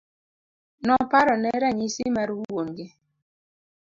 Noparone ranyisi mar wuon gi.